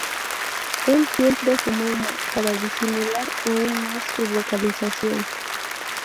Él siempre fumando, para disimular aún más su vocalización.